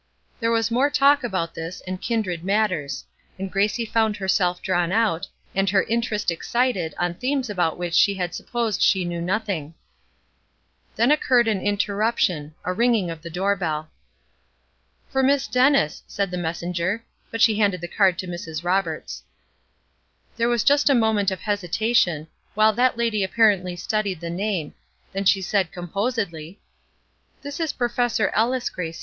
There was more talk about this and kindred matters; and Gracie found herself drawn out, and her interest excited on themes about which she had supposed she knew nothing. Then occurred an interruption, a ringing of the door bell. "For Miss Dennis," said the messenger; but she handed the card to Mrs. Roberts. There was just a moment of hesitation, while that lady apparently studied the name, then she said, composedly: "This is Professor Ellis, Gracie.